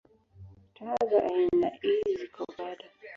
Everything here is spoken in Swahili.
Taa za aina ii ziko bado.